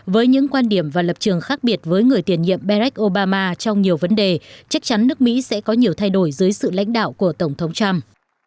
với những quan điểm và lập trường khác biệt với người tiền nhiệm beck obama trong nhiều vấn đề chắc chắn nước mỹ sẽ có nhiều thay đổi dưới sự lãnh đạo của tổng thống trump